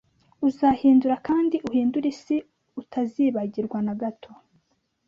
Uzahindura kandi uhindure isi utazibagirwa nagato